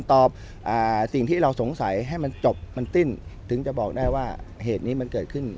ตอบสิ่งที่เราสงสัยให้มันจบมันสิ้นถึงจะบอกได้ว่าเหตุนี้มันเกิดขึ้น